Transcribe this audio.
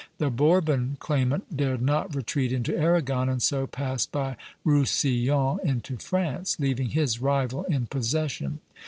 The Bourbon claimant dared not retreat into Aragon, and so passed by Roussillon into France, leaving his rival in possession.